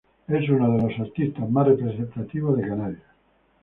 Es uno de los artistas más representativos de Canarias.